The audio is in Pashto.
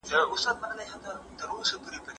که زیرمه زیاته سي پانګونه ورسره پراختیا مومي.